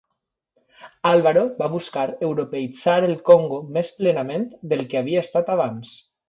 Álvaro va buscar europeïtzar el Congo més plenament del que havia estat abans.